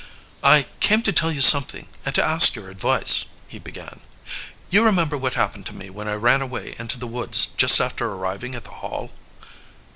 "I came to tell you something and to ask your advice," he began. "You remember what happened to me when I ran away into the woods just after arriving at the Hall?"